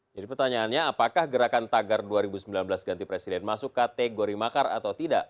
pertanyaannya apakah gerakan tagar dua ribu sembilan belas ganti presiden masuk kategori makar atau tidak